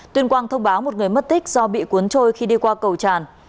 tuyên quang thông báo một người mất tích do bị cuốn trôi khi đi qua cầu tràn